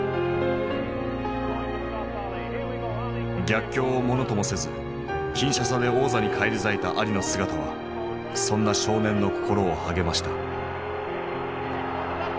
逆境をものともせずキンシャサで王座に返り咲いたアリの姿はそんな少年の心を励ました。